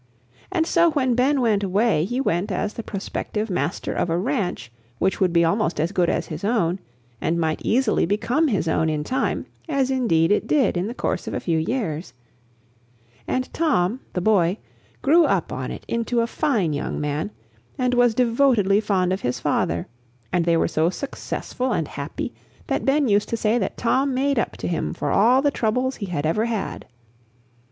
And so when Ben went away, he went as the prospective master of a ranch which would be almost as good as his own, and might easily become his own in time, as indeed it did in the course of a few years; and Tom, the boy, grew up on it into a fine young man and was devotedly fond of his father; and they were so successful and happy that Ben used to say that Tom made up to him for all the troubles he had ever had.